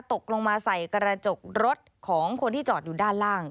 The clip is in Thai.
ตกลงมาใส่กระจกรถของคนที่จอดอยู่ด้านล่าง